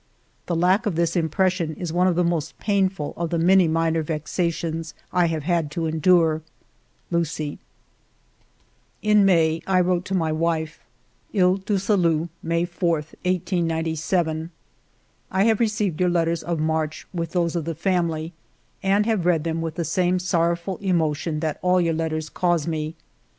The lack of this impression is one of the most painful of the many minor vexations I have to endure. ... Lucie," ALFRED DREYFUS 241 In May I wrote to my wife :—*' Iles du Salut, May 4, 1897. "I have received your letters of March, with those of the familv, and have read them with the same sorrowful emotion that all your letters cause me.